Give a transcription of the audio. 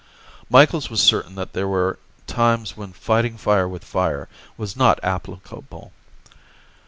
Micheals was certain that there were times when fighting fire with fire was not applicable.